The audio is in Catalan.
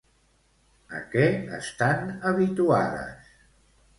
A què estan habituades?